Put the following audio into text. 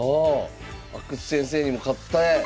阿久津先生にも勝って。